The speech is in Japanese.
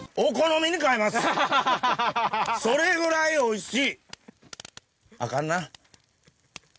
それぐらいおいしい！